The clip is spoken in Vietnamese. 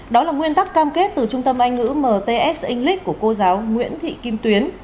đó là nguyên tắc cam kết từ trung tâm anh ngữ mts english của cô giáo nguyễn thị kim tuyến